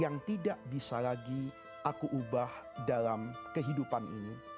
dan tidak bisa lagi aku ubah dalam kehidupan ini